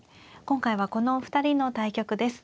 今回はこのお二人の対局です。